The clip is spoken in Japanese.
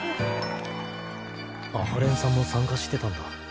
阿波連さんも参加してたんだ。